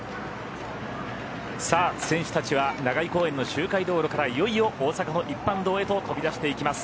選手たちは長居公園の周回コースからいよいよ大阪の一般道へと飛び出していきます。